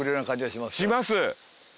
します！